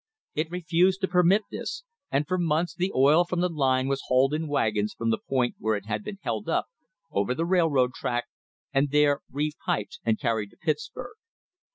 It refused to permit this, and for months the oil from the line was hauled in wagons from the point where it had been held up, over the railroad track, and there repiped and carried to Pittsburg.